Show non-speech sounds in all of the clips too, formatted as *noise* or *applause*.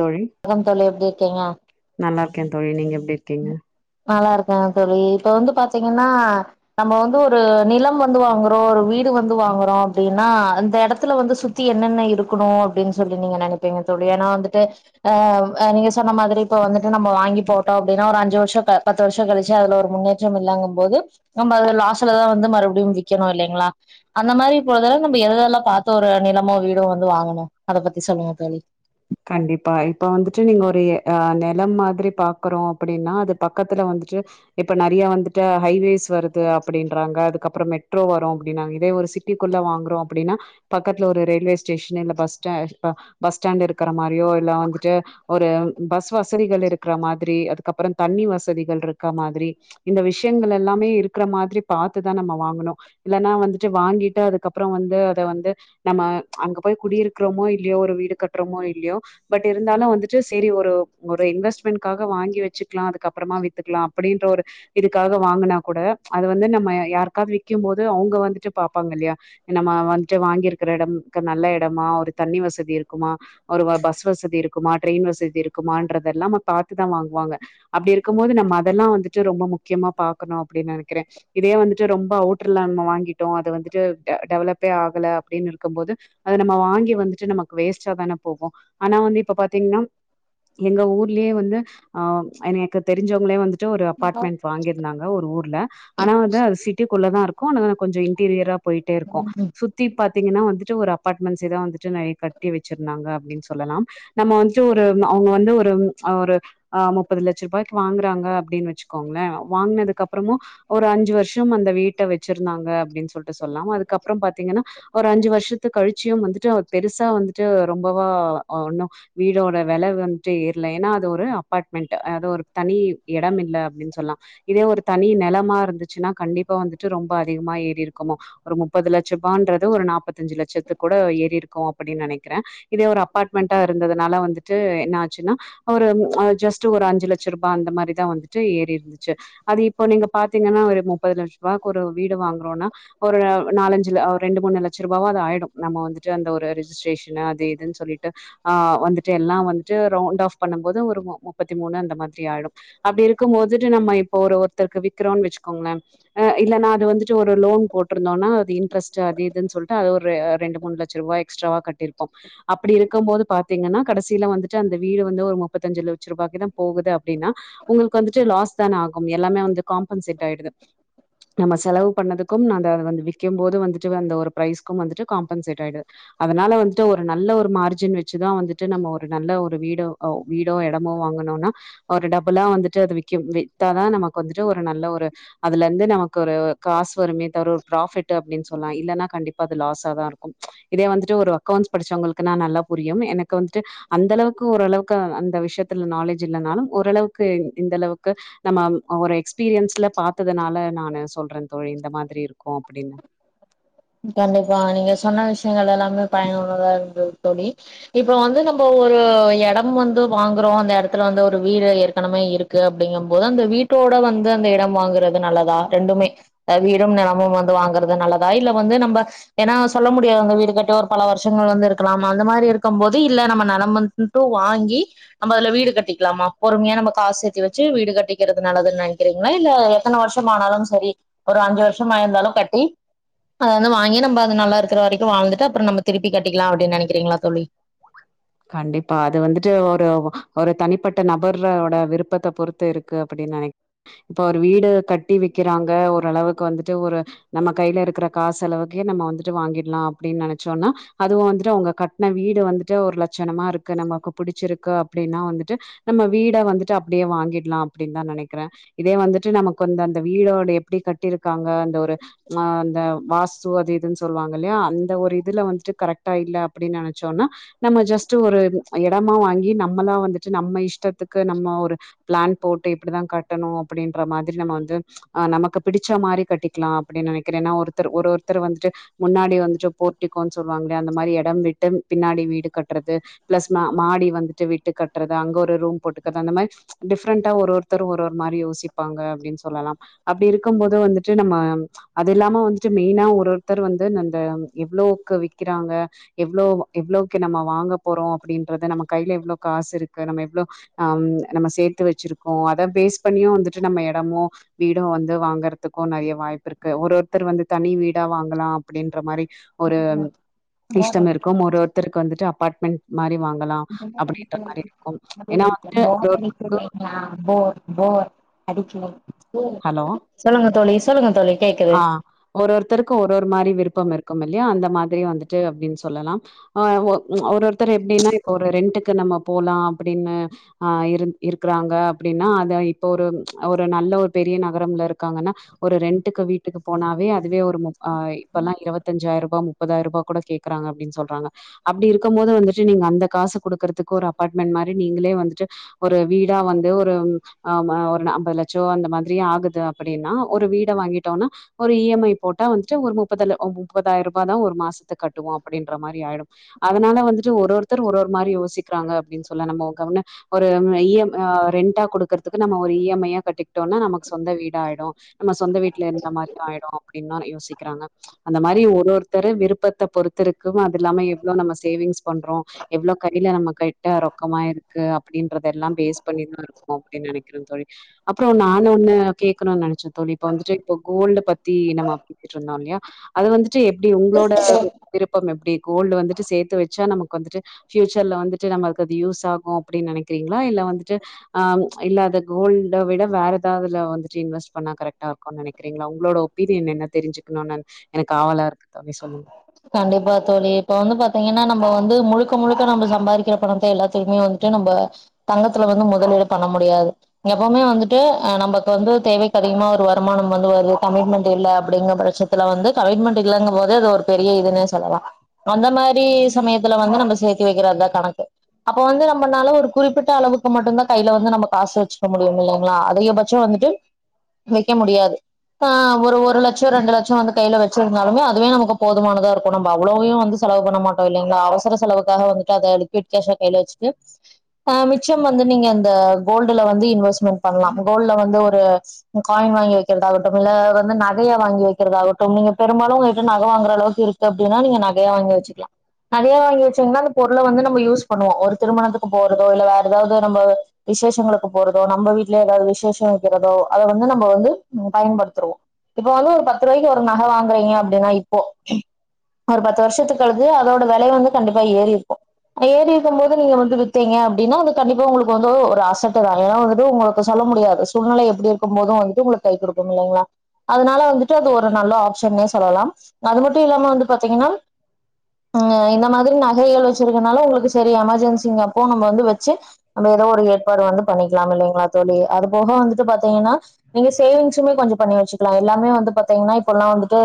தோழி வணக்கம் தோழி எப்டி இருக்கீங்க நல்லா இருக்கேன் தோழி நீங்க எப்டி இருக்கீங்க நல்லா இருக்கேங்க தோழி இப்ப வந்து பாத்தீங்கன்னா நம்ம வந்து ஒரு நிலம் வந்து வாங்குறோ ஒரு வீடு வந்து வாங்குறோ அப்டின்னா அந்த எடத்துல வந்து சுத் தி என்னென்ன இருக்கணு அப்டின்னு சொல்லி நீங்க நெனைப்பீங்க தோழி ஏன்னா வந்துட்டு ஆ ஆ நீங்க சொன்ன மாதிரி இப்ப வந்துட்டு நம்ம வாங்கி போட்டோ அப்டின்னா ஒரு அஞ்சு வர்ஷ பத்து வர்ஷ கழிச்சு அதுல ஒரு முன்னேற்ற இல்லாங்கு போது நம்ம அது லாஸ்சுலதா வந்து மறுபடியு வீக்கணு இல்லைங்களா அந்த மாதிரி பொழுதுலா நம்ம எதெல்லா பாத்து ஒரு நிலமோ வீடோ வந்து வாங்கணு அத பத்தி சொல்லுங்க தோழி கண்டிப்பா இப்ப வந்துட்டு நீங்க ஒரு எ அ நெலம் மாதிரி பாக்குறோ அப்டின்னா அது பக்கத்துல வந்துட்டு இப்ப நறைய வந்துட்டு ஹைவேஸ் வருது அப்டின்றாங்க அதுக் கப்பறோ மெட்ரோ வரு அப்டின்னாங்க இதே ஒரு சிட்டிக்குள்ள வாங்குறோ அப்டின்னா பக்கத்துல ஒரு ரயில்வே ஸ்டேஷன் இல்ல பஸ் ஸ ப பஸ் ஸ்டாண்ட் இருக்கிற மாரியோ இல்ல வந்துட்டு ஒரு பஸ் வசதிகள் இருக்கற மாதிரி அதுக்கப்பறோ தண்ணி வசதிகள் இருக்க மாதிரி இந்த விஷ்யங்கள் எல்லாமே இருக்குற மாதிரி பாத்துதா நம்ம வாங்கனு இல்லனா வந்துட்டு வாங்கிட்டு அதுக்கப்பறோ வந்து அத வந்து நம்ம அங்க போய் குடியிருக்றமோ இல்லயோ ஒரு வீடு கட்றமோ இல்லயோ பட் இருந்தாலு வந்துட்டு சேரி ஒரு இன்வெஸ்ட்மெண்ட்காக வாங்கி வச்சுக்கலா அதுக்கப்பறமா வித்துக்கலா அப்டின்ற ஒரு இதுக்காக வாங்குனா கூட அது வந்து நம்ம யாருக்காவது வி்க்கிம் போது அவுங்க வந்துட்டு பாப்பாங்க இல்லயா நம்ம வந்துட்டு வாங்கிருக்கிற எடம் மிக்க நல்ல எடமா ஒரு தண்ணி வசதி இருக்குமா ஒரு வ பஸ் வசதி இருக்குமா ட்ரய்ன் வசதி இருக்குமான்றதல்லா பாத்துதா வாங்குவாங்க அப்டி இருக்கும்போது நம்ம அதல்லா வந்துட்டு ரொம்ப முக்கியமா பாக்கணு அப்டின் நெனைக்கறே இதே வந்துட்டு ரொம்ப அவுட்ருல நம்ம வாங்கிட்டோ அது வந்துட்டு ட டெவலப்பே ஆகல அப்டின் இருக்கும் போது அது நம்ம வாங்கி வந்துட்டு நமக்கு வேஸ்டா தான போகு ஆனா வந்து இப்ப பாத்தீங்கன்னா எங்க ஊர்லயே வந்து அ எனய்க்கு தெருஞ்சவுங்களே வந்துட்டு ஒரு அபார்ட்மண்ட் வாங்கியிருந்தாங்க ஒரு ஊர்ல ஆனா வந்து அது சிட்டிக்குள்ளதா இருக்கு ஆனா கொஞ்சோ இன்டீரியரா போயிட்டே இருக்கு சுத்தி பாத்தீங்கன்னா வந்துட்டு ஒரு அபார்ட்மண்ட்ஸே தா வந்துட்டு நெறைய க பூட்டி வச்சிருந்தாங்க அப்டின் சொல்லலாம் நம்ம வந்துட்டு ஒரு அவுங்க வந்து ஒரு அ ஒரு அ முப்பது லட்ச ரூபாய்க்கு வாங்குறாங்க அப்டின் வச்சுக்கோங்களே வாங்கனதுக்கு அப்றமு ஒரு அஞ்சு வர்ஷம் அந்த வீட்ட வச்சிருந்தாங்க அப்டின் சொல்ட்டு சொல்லாம் அதுக்கப் பறோ பாத்தீங்கன்னா ஒரு அஞ்சு வருஷத்து கழுச்சியும் வந்துட்டு பெருசா வந்துட்டு ரொம்பவா அ ஒண்ணு வீடோட வெல வந்ட்டு ஏற்ல ஏனா அது ஒரு அபாட்மண்ட் அது ஒரு தனி எடம் இல்ல அப்டின் சொல்லா இதே ஒரு தனி நெலமா இருந்துச்சுன்னா கண்டிப்பா வந்துட்டு ரொம்ப அதிகமா ஏறி இருக்குமோ ஒரு முப்பது லட்சருபான்றது ஒரு நாப்பத்தஞ்சு லட்சத்து கூட ஏறி இருக்கு அப்டின் நெனைக்கிறே இதே ஒரு அப் அபாட்மண்ட்டா இருந்ததுனால வந்துட்டு என்ன ஆச்சுனா ஒரு அ ஜஸ்ட்டு ஒரு அஞ்சு லட்ச ரூபா அந்த மாரிதா வந்துட்டு ஏறி இருந்துச்சு அது இப்போ நீங்க பாத்தீங்கன்னா ஒரு முப்பது லட்ச ரூபாய்க்கு ஒரு வீடு வாங்குறோனா ஒரு நாலஞ்சுல ஒரு ரெண்டு மூணு லட்ச ரூபாவா அது ஆயிடு நம்ம வந்துட்டு அந்த ஒரு ரிஜிஸ்ட்ரேஷ ன் அது இதுன்னு சொல்லிட்டு அ வந்துட்டு எல்லா வந்துட்டு ரண்ட் ஆஃப் பண்ணும் போது ஒரு முப்பத் தி மூணு அந்த மாதிரி ஆயிடு அப்டி இருக்கும் போதுட்டு நம்ம இப்போ ஒரு ஒருத்தருக்கு விக்கிரோன் வச்சுக்கோங்களே அ இல்லனா அது வந்துட்டு ஒரு லோன் போட்ருந்தோனா அது இன்ட்ரஸ்ட் அது இதுன்னு சொல்ட்டு அது ஒரு ரெண்டு மூணு லச்ச ரூபாய் எக்ஸ்ட்ராவா கட்டிருப்போ அப்டி இருக்கும் போது பாத்தீங்கன்னா கடசீல வந்துட்டு அந்த வீடு வந்து ஒரு முப்பத்தஞ்சு லச்ச ரூபாய்க்கு தா போகுது அப்டினா உங்களுக்கு வந்துட்டு லாஸ் தான ஆகும் எல்லாமே வந்து காம்பன்சேட் ஆயிடுது நம்ம செலவு பண்ணதுக்கும் நா அந்த அத வந்து விக்கம் போது வந்துட்டு அந்த ஒரு பிரைஸ்கும் வந்துட்டு காம்பன்சேட் ஆயிடு அதுனால வந்து ட்டு ஒரு நல்ல ஒரு மார்ஜின் வச்சுதா வந்துட்டு நம்ம ஒரு நல்ல ஒரு வீடோ அ வீடோ எடமோ வாங்குணோனா ஒரு டபுல்லா வந்துட்டு அது விக்கிம் வித்தாதா நமக்கு வந்துட்டு ஒரு நல்ல ஒரு அதுல இருந்து நமக்கு ஒரு காசு வருமே தவிர ஒரு ப்ராஃபிட்டு அப்டின் சொல்லா இல்லன்னா கண்டிப்பா அது லாஸா தா இருக்கும் இதே வந்துட்டு ஒரு அக்கோண்ட்ஸ் படுச்சவுங்களுக்குனா நல்லா புரியும் எனக்கு வந்துட்டு அந்த அளவுக்கு ஓரளவுக்கு அந்த விஷயத்துல நாலேஜ் இல்லனாலு ஓரளவுக்கு இந்த அளவுக்கு நம்ம ஒரு எக்ஸ்பீரியன்ஸ்ல பாத்ததுனால நானு சொல்றே தோழி இந்த மாதிரி இருக்கு அப்டின்னு கண்டிப்பா நீங்க சொன்ன விஷயங்கள் எல்லாமே பயனுள்ளதா இருந்தது தோழி இப்ப வந்து நம்ம ஒரு எடம் வந்து வாங்குறோ அந்த எடத்துல வந்து ஒரு வீடு ஏற்கனவே இருக் கு அப்டிங்கம்போது அந்த வீட்டோட வந்து அந்த இடம் வாங்குறது நல்லதா ரெண்டுமே அ வீடும் நெலமும் வந்து வாங்குறது நல்லதா இல்ல வந்து நம்ப ஏனா சொல்ல முடியாது அந்த வீடு கட்டி ஒரு பல வருஷங்கள் வந்து இருக்கலாம் அந்த மாரி இருக்கம் போது இல்ல நம்ம நெலம் வந் டு வாங்கி நம்ம அதுல வீடு கட்டிக்லாமா பொறுமையா நம்ம காசேத்தி வச்சு வீடு கட்டிக்றது நல்லதுன் நெனக்றீங்களா இல்ல எத்தன வருஷம் ஆனாலும் சரி ஒரு அஞ்சு வருஷம் ஆயிருந்தாலு கட்டி அத வந்து வாங்கி நம்ம அது நல்லா இருக்குற வரைக்கு வாழ்ந்துட்டு அப்றோ நம்ம திருப்பி கட்டிக்லா அப்டின் நெனக்கிறீங்ளா தோழி கண்டிப்பா அது வந்துட்டு ஒரு ஒரு தனிப்பட்ட நபர் ஓட விருப்பத்த பொறுத் து இருக்கு அப்டின் நெனைக் இப்ப ஒரு வீடு கட்டி விக்கிறாங்க ஓரளவுக்கு வந்துட்டு ஒரு நம்ம கைல இருக்கிற காசு அளவுக்கே நம்ம வந்துட்டு வாங்கிட்லா அப்டின் நெனச்சோன்னா அதுவு வந்துட்டு அவுங்க கட்ன வீடு வந்துட்டு ஒரு லட்சணமா இருக்கு நமக்கு புடுச்சுருக்கு அப்டின்னா வந்துட்டு நம்ம வீட வந்துட்டு அப்டியே வாங்கிட்லா அப்டின் தா நெனக்கிறே இதே வந்துட்டு நமக்கு வந்த அந்த வீடோட எப்டி கட்டியிருக்காங்க அந்த ஒரு அ அந்த வாஸ்து அது இதுன் சொல்வாங்க இல்லயா அந்த ஒரு இதுல வந்துட்டு கரெக்டா இல்ல அப்டின் நெனச்சோன்னா நம்ம ஜஸ்ட் ஒரு எடமா வாங்கி நம்மளா வந்துட்டு நம்ம இஷ்டத்துக்கு நம்ம ஒரு ப்ளன் போட்டு இப்டிதா கட்டணு அப்டின்ற மாதிரி நம்ம வந்து ஆ நமக்கு பிடிச்ச மாரி கட்டிக்லா அப்டின் நெனக்கிறே ஏனா ஒருத்தர் ஒரு ஒருத்தர் வந்துட்டு முன்னாடி வந்துட்டு போட்டிக்கோன் சொல்லுவாங்கல்யா அந்த மாரி எடம் விட்டு பின்னாடி வீடு கட் றது பிளஸ் மா மாடி வந்துட்டு விட்டு கட்றது அங்க ஒரு ரூம் போட்டுக்கது அந்த மாரி டிஃப்ரெண்டா ஒரு ஒருத்தர் ஒரு ஒரு மாரி யோசிப்பாங்க அப்டின் சொல்லலாம் அப்டி இருக்கும் போது வந்துட்டு நம்ம அது இல்லாம வந்துட்டு மெயினா ஒரு ஒருத்தர் வந்து அந்த எவ்ளோக்கு விக்கிறாங்க எவ்ளோ எவ்ளோக்கு நம்ம வாங்க போறோ அப்டின்றது நம்ம கைல எவ்ளோ காசு இருக்கு நம்ம எவ்ளோ ஆம் நம்ம சேத்து வச்சுருக்கோ அத பேஸ் பண்ணியு வந்துட்டு நம்ம எடமோ வீடு வந்து வாங்கறதுக்கு நெறய வாய்ப்பு இருக்கு ஒரு ஒருத்தர் வந்து தனி வீடா வாங்கலா அப்டின்ற மாரி ஒரு இஷ்டம் இருக்கு ஒரு ஒருத்தருக்கு வந்துட்டு அபார்ட்மெண்ட் மாரி வாங்கலா அப்டின்ற மாரி இருக்கும் ஏனா வந்துட்டு போர் ஒரு ஒருத்த அடிக்குது இல்லைங்களா ஹலோ சொல்லுங்க தோழி சொல்லுங்க தோழி கேக்குது ஆ ஒரு ஒருத்தருக்கு ஒரு ஒரு மாரி விருப்பம் இருக்கும் இல்யா அந்த மாதிரி வந்துட்டு அப்டின் சொல்லலாம் ஆ ஒ ம் ஒரு ஒருத்தர் எப்டின்னா இப்ப ஒரு ரெண்ட்க்கு நம்ம போலா அப்டின்னு ஆ இருந் இருக்றாங்க அப்டின்னா அது இப்ப ஒரு ஒரு நல்ல ஒரு பெரிய நகரம்ல இருக்காங்கன்னா ஒரு ரெண்டுக்கு வீட்டுக்கு போனாவே அதுவே ஒரு் முப் அ இப்பெல்லா இருபத்தஞ்சாயிர் ரூவா முப் முப்பதாயிர் ரூவா கூட கேக்குறாங்க அப்டின் சொல்றாங்க அப்டி இருக்கும் போது வந்துட்டு நீங்க அந்த காசு குடுக்குறதுக்கு ஒரு அபார்ட்மெண்ட் மாரி நீங்களே வந்துட்டு ஒரு வீடா வந்து ஒரு ஆமா ஒரு அம்பது லட்சோ அந்த மாதிரி ஆகுது அப்டின்னா ஒரு வீட வாங்கிட்டோன்னா ஒரு இ எம் ஐ போட்டா வந்துட்டு ஒரு முப்பதுல ஒ முப்பதாயிர் ரூபா தா ஒரு மாசத்துக்கு கட்டுவோ அப்டின்ற மாரி ஆயிடு அதனால வந்துட்டு ஒரு ஒருத்தர் ஒரு ஒரு மாரி யோசிக்றாங்க அப்டின் சொல்ல நம்மோ க ஒன்னு ஒரு ம் ஈ எம் அ ரெண்டா குடுக்கறதுக்கு நம்ம ஒரு இ எம் ஐயா கட்டிக்ட்டோன்னா நமக்கு சொந்த வீடா ஆயிடு நம்ம இல்ல இந்த மாரிதா ஆயிடு அப்டின்தா யோசிக் இருக்காங்க அந்த மாறி ஒரு ஒருத்தர விருப்பத்த பொறுத்து இருக்கும் அது இல்லாம எவ்ளோ நம்ம சேவிங்ஸ் பண்றோ எவ்ளோ கையில நம்ம கட்ட ரொக்கமா இருக்கு அப்படின்றத எல்லாம் பேஸ் பண்ணி தா அப்டின் நெனைக்கிறே தோழி அப்றோ நானு ஒன்னு கேட்கணுன் நெனைச்சே தோழி இப்ப வந்துட்டு இப்போ கோல்ட பத்தி நம்ம *inaudible* இருந்தோ இல்லயா அது வந்துட்டு எப்டி உங்ளோட விருப்பம் எப்டி கோல்ட் வந்துட்டு சேத்து வச்சா நமக்கு வந்துட்டு பியூச்சர்ல வந்துட்டு நம்மள்க்கு அது யூஸ் ஆகு அப்படின் நெனைக்கிறீங்களா இல்ல வந்துட்டு ஆம் இல்ல அத கோல்ட விட வேற ஏதாதுல வந்துட்டு இன்வெஸ் பண்ணா கரெக்டா இருக்குன் நெனைக் கிறீங்ளா உங்களோட ஒப்பீனியன் என்ன தெரிஞ்சுக்கணுனு எனக்கு ஆவலா இருக்கு தம்பி சொல்லுங்க கண்டிப்பா தோழி இப்ப வந்து பாத்தீங்கன்னா நம்ம வந்து முழுக்க முழுக்க நம்ம சம்பாதிக்கிற பணத்த எல்லாத்தையுமே வந் து நம்ப தங்கத்துல வந்து முதலீடு பண்ண முடியாது எப்பவுமே வந்துட்டு அ நமக்கு வந்து தேவைக்கு அதிகமா ஒரு வருமானம் வந்து வருது கமிட்மெண்ட் இல்ல அப்டிங்க பச்சத்துல வந்து கமிட்மெண்ட் இல்லங்கம் போது அது ஒரு பெரிய இதுன்னே சொல்லலா அந்த மாரி சமயத்துல வந்து நம்ம சேத்து வைக்கிறது தா கணக்கு அப்ப வந்து நம்மளால ஒரு குறிப்பிட்ட அளவுக்கு மட்டும்தா கையில வந்து நம்ம காசு வெச்சுக்க முடியும் இல்லைங்களா அதிக பச் சோ வந்துட்டு வெக்க முடியாது ஹ ஒரு ஒரு லட்சோ ரெண்டு லட்சோ வந்து கையில வெச் சுருந்தாலுமே அதுவே நமக்கு போதுமானதா இருக்கு நம்ப அவ்ளவையும் வந்து செலவு பண்ண மாட்டோ இல்லைங்களா அவசர செலவுக்காக வந்துட்டு அத எடுத்து நெட் கேஸா கைல வெச்சுட்டு ஆ மிச்சம் வந்து நீங்க இந்த கோல்டுல வந்து இன்வெஸ்ட்மெண்ட் பண்லா கோல்டுல வந்து ஒரு காயின் வாங்கி வெக்கிறதாகட்டும் இல்ல வந்து நகையா வாங்கி வெக்கிறதாகட்டும் நீங்க பெரும்பாலும் உங்ககிட்ட நக வாங்கிற அளவுக்கு இருக்கு அப்டின்னா நீங்க நகையா வாங்கி வெச்சிக்கலா நகையா வாங்கி வெச்சீங்கன்னா அந்தப் பொருள வந்து நம்ம யூஸ் பண்ணுவோ ஒரு திருமணத்துக்கு போறதோ இல்ல வேற ஏதாவது நம்போ விசேஷங்களுக்கு போறதோ நம்ம வீட்டுல ஏதாவது விசேஷோ வெக்கிறதோ அத வந்து நம்ம வந்து பயன்படுத்துருவோ இப்ப வந்து ஒரு பத்து ரூபாய்கு ஒரு நக வாங் அப்டின்னா இப்போ ஒரு பத்து வருஷத்துக்கு கழிஞ்சி அதோட வெலை வந்து கண்டிப்பா ஏறி இருக்கு ஏறி இருக்கம் போது நீங்க வந்து வித்தீங்க அப்டின்னா அந்து கண்டிப்பா உங்களுக்கு வந்து ஒரு அசட்டு தா ஏனா வந்துட்டு உங்களுக் இப்ப சொல்ல முடியாது சூழ்நெலை எப்டி இருக்கும் போதும் வந்துட்டு உங்களுக்கு கை குடுக்கும் இல்லைங்களா அதனால வந்துட்டு அது ஒரு நல்ல ஆப்ஷ ஷன்னே சொல்லலா அது மட்டும் இல்லாம வந்து பாத்தீங்கன்னா இங்க ஏ இந்த மாதிரி நகைகள் வெச்சிருக்கனால உங்களுக்கு சரி எமர்ஜென்சிங்கற அப்போ நம்ம வந்து வெச்சி நம்ம ஏதோ ஒரு ஏற்பாடு வந்து பண்ணிக்களாம் இல்லைங்களா தோழி அது போக வந்துட்டு பாத்தீங்கன்னா நீங்க சேவிங்ஸுமே கொஞ்சம் பண்ணி வெச்சுக்கலாம் எல்லாமே வந்து பாத்தீங்கன்னா இப்பெல்லா வந்துட்டு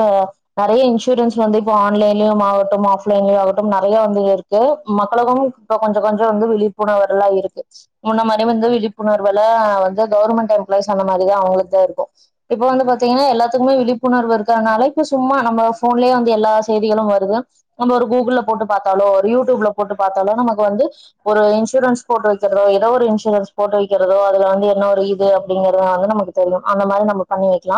நெறைய இன்சூ ரன்ஸ் வந்து இப்ப ஆன்லைன்லயும் ஆகட்டும் ஆஃப்லைன்லயும் ஆகட்டும் நெறைய வந்து இருக்கு மக்களுக்கும் இப்ப கொஞ்ச கொஞ்சம் வந்து விழிப்புணர்வுல்லா இருக்கு முன்ன மாரி வந்து விழிப்புணர்வுல வந்து கவர்மெண்ட் எம்ப்ளாய்ஸ் அந்த மாரிதா அவங்களுக்குதா இருக்கு இப்ப வந்து பாத்தீங்கன்னா எல்லாத்துக்குமே விழிப்புணர்வு இருக் கனால இப்ப சும்மா நம்ம போன்லயே வந்து எல்லா செய்திகளு வருது நம்ம ஒரு கூகுள்ள போட்டு பாத்தாலோ ஒரு யூடியூப்ல போட்டு பாத்தாலோ நமக்கு வந்து ஒரு இன்சூரன்ஸ் போட்டு வைக்கிறதோ ஏதோ ஒரு இன்சூரன்ஸ் போட்டு வைக்கிறதோ அதுல வந்து என்ன ஒரு இது அப்டிங்கிறத வந்து நமக்கு தெரியு அந்த மாரி நம்ம பண்ணி வைக்லா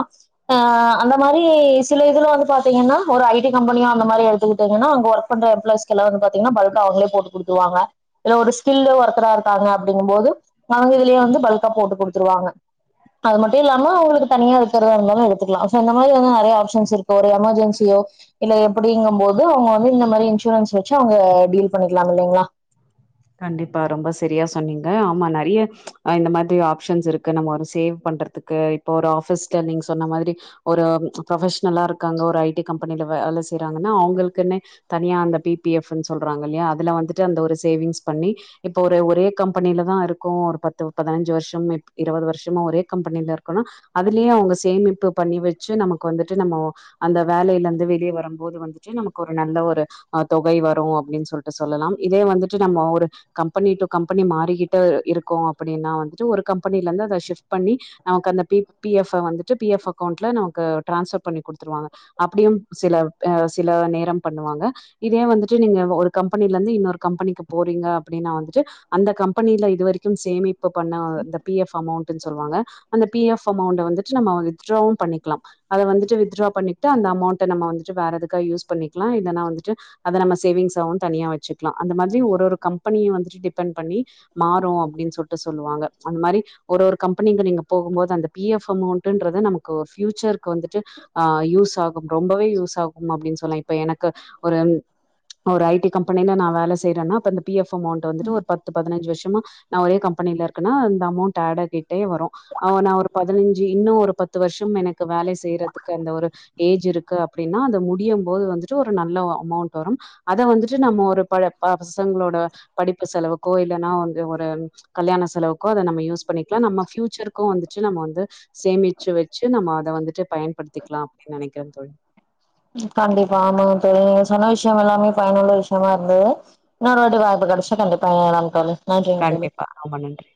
ஹ அந்த மாரி சில இதுல வந்து பாத் தீங்கன்னா ஒரு ஐஸடி கம்பெனியா அந்த மாரி எடுத்துக்கிட்டீங்கன்னா அங்க ஒர்க் பண்ற எம்ப்ளாயிஸ்கெல்லா வந்து பாத்தீங்கன்னா பல்கா அவங்களே போட்டு குடுத்துருவாங்க இது ஒரு ஸ்கில்லு ஒருத்தரா இருக்காங்க அப்டிங்கம்போது நாங்க இதுலயே வந்து பல்கா போட்டு குடுத்துருவாங்க அது மட்டும் இல்லாம அவங்களுக்கு தனியா இருக்கறத இருந்தாலு எடுத்துக்கலா சோ இந்த மாரி இன்னு நெறைய ஆப்ஷன்ஸ் இருக்கு ஒரு எமர்ஜென்சியோ இல்ல எப்டிங்கும் போது அவங்க வந்து இந்த மாரி இன்சூரன்ஸ் வச்சு அவங்க டீல் பண்ணிக்கலாம் இல்லலைங்களா கண்டிப்பா ரொம்ப சரியா சொன்னீங்க ஆமா நெறைய இந்த மாரி அ ஆப்ஷன்ஸ் இருக்கு நம்ம ஒரு சேவ் பண்றதுக் கு இப்ப ஒரு ஆபிஸ்ல நீங்க சொன்ன மாதிரி ஒரு ப்ரொபஷ்னலா இருக்காங்க ஒரு ஐ டி கம்பெனில வேல செய்றாங்கன்னா அவங்களுக்குன்னே தனியா அந்த பி பி எஃப்னு சொல்றாங்க இல்லயா அதுல வந்துட்டு அந்த ஒரு சேவிங்ஸ் பண்ணி இப்போ ஒரு ஒரே கம்பெனில தா இருக்கோம் ஒரு பத்து பதினஞ்சு வருஷம் இருவது வர்ஷமா ஒரே கம்பெனில இருக்கோனா அதுலயே அவங்க சேமிப்பு பண்ணி வெச்சு நமக்கு வந்துட்டு நம்மோ அந்த வேலையில இருந்து வெளியே வரும்போது வந்துட்டு நமக்கு ஒரு நல்ல ஒரு அத் தொகை வரும் அப்டின் சொல்ட்டு சொல்லலாம் இதே வந்துட்டு நம்ம ஒரு கம்பனி டு கம்பனி மாறிக்கிட்டு இருக்கோ அப்டின்னா வந்துட்டு ஒரு கம்பனில இருந்து அத ஷிப்ட் பண்ணி நமக்கு அந்த பி பி எஃப் வ வந்துட்டு பி எஃப் அக்கவுண்ட்ல நமக்கு டிரான்ஸ்வர் பண்ணி குடுத்துருவாங்க அப்டியு சில அ சில நேரம் பண்ணுவாங்க இதே வந்துட்டு நீங்க ஒரு கம்பனில இருந்து இன்னொரு கம்பனிக்கு போறீங்க அப்டின்னா வந்துட்டு அந்த கம்பனில இதுவரைக்கு சேமிப்பு பண்ண இந்த பி எஃப் அமௌண்ட்ன்னு சொல்வாங்க அந்த பி எஃப் அமௌண்ட வந்துட்டு நம்ம வித்ட்ராவு பண்ணிக்கலா அத வந்துட்டு வித்ரா பண்ணிட்டு அந்த அமௌண்ட நம்ம வந்துட்டு வேற எதுக்கா யூஸ் பண்ணிக்கலா இல்லன்னா வந்துட்டு அத நம்ம சேவிங்ஸாவு தனியா வச்சுக்கலா அந்த மாதிரி ஒரு ஒரு கம்பனியு வந்துட்டு டிபெண்ட் பண்ணி மாறும் அப்டின் சொல்ட்டு சொல்வாங்க அந்த மாறி ஒரு ஒரு கம்பனிக்கு நீங்க போகும்போது அந்த பி எஃப் அமௌண்ட்ன்றது நமக்கு ஒரு ஃபியூச்சர்க்கு வந்துட்டு அ யூஸ் ஆகும் ரொம்பவே யூஸ் ஆகும் அப்டின்னு சொல்லா இப்ப எனக்கு ஒரு ஒரு ஐ டி கம்பனில நா வேல செய்யறன்னா அப்ப அந்த பி எஃப் அமௌண்ட் வந்துட்டு ஒரு பத்து பதினஞ்சு வருஷமா நா ஒரே கம்பனில இருக்கன்னா அந்த அமௌண்ட் ஹேட் ஆகிட்டே வரும் அவ நா ஒரு பதினஞ்சு இன்னும் ஒரு பத்து வருஷம் எனக்கு வேல செய்றதுக்கு அந்த ஒரு ஏஜ் இருக்கு அப்டின்னா அத முடியம் போது வந்துட்டு ஒரு நல்ல அமௌண்ட் வரும் அத வந்துட்டு நம்ம ஒரு ப ப பசங்களோட படிப்பு செலவுக்கோ இல்லன்னா வந்து ஒரு கல்யாண செலவுக்கோ அத நம்ம யூஸ் பண்ணிக்கலா நம்ம ஃபியூச்சர்க்கும் வந்துட்டு நம்ம வந்து சேமிச்சு வச்சு நம்ம அத வந்துட்டு பயன்படுத்திக்கலா அப்டின் நெனைக்கிறே தோழி ம் கண்டிப்பா ஆமாங்க தோழி நீங்க சொன்ன விஷயம் எல்லாமே பயனுள்ள விஷயமா இருந்தது இன்னொரு வாட்டி வாய்ப்பு கிடச்சா கண்டிப்பா இணையலா தோழி நன்றிங்க தோழி கண்டிப்பா ரொம்ப நன்றி